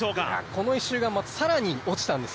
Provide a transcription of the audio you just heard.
この１周が更にまた落ちたんです。